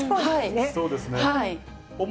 そうですね。